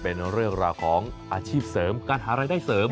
เป็นเรื่องราวของอาชีพเสริมการหารายได้เสริม